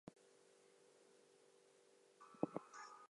Krome is also known for his contributions to agriculture in the area.